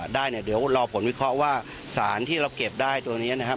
ได้เนี่ยเดี๋ยวรอผลวิเคราะห์ว่าสารที่เราเก็บได้ตัวนี้นะครับ